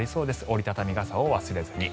折り畳み傘を忘れずに。